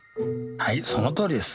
はいそのとおりです。